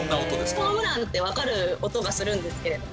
ホームランって分かる音がするんですけれども。